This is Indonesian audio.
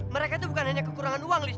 mereka tuh bukan hanya kekurangan uang liz